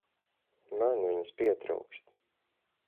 Man viņas pietrūkst.